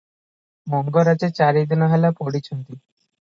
ମଙ୍ଗରାଜେ ଚାରିଦିନ ହେଲା ପଡ଼ିଛନ୍ତି ।